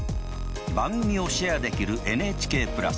番組をシェアできるＮＨＫプラス。